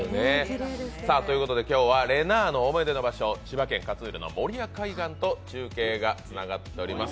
今日は、れなぁの思い出の場所、千葉県勝浦の守谷海岸と中継がつながっています。